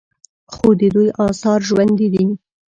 خو د دوی آثار ژوندي دي